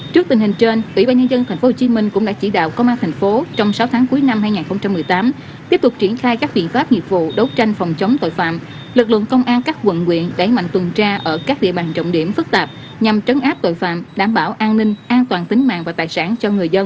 trước tình hình trên ủy ban nhân dân tp hcm cũng đã chỉ đạo công an thành phố trong sáu tháng cuối năm hai nghìn một mươi tám tiếp tục triển khai các biện pháp nghiệp vụ đấu tranh phòng chống tội phạm lực lượng công an các quận quyện đẩy mạnh tuần tra ở các địa bàn trọng điểm phức tạp nhằm trấn áp tội phạm đảm bảo an ninh an toàn tính mạng và tài sản cho người dân